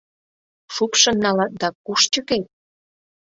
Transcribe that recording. — Шупшын налат да куш чыкет?